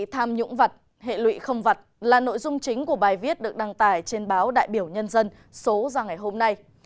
tham nhũng vật hệ lụy không vặt là nội dung chính của bài viết được đăng tải trên báo đại biểu nhân dân số ra ngày hôm nay